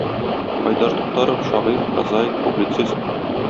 Айдар Туктаров шагыйрь, прозаик, публицист.